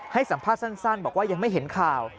ให้สัมภาษณ์สั้นบอกว่ายังไม่เห็นข่าว